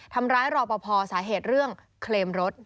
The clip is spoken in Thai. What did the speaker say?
ทำร้ายรอปภสาเหตุเรื่องเคลมรถ